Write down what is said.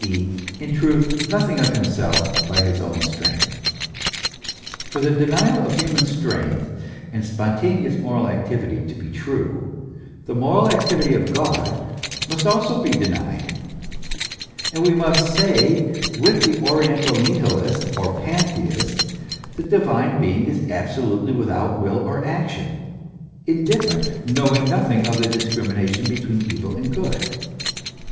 e., in truth, nothing of himself by his own strength. For the denial of human strength and spontaneous moral activity to be true, the moral activity of God must also be denied ; and we must say, with the oriental nihilist or pan theist : the Divine being is absolutely without will or action, indifferent, knowing nothing of the discrimination between evil and good.